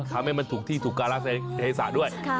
ทำให้มันถูกที่ถูกการาศาสนิษฐ์ด้วย